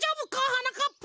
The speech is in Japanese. はなかっぱ。